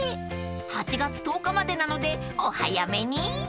［８月１０日までなのでお早めに］